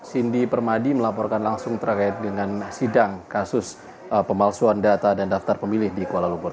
cindy permadi melaporkan langsung terkait dengan sidang kasus pemalsuan data dan daftar pemilih di kuala lumpur